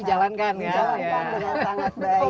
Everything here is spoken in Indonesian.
dijalankan dengan sangat baik